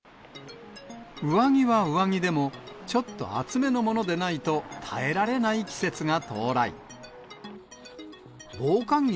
上着は上着でも、ちょっと厚めのものでないと、耐えられない季節が到来。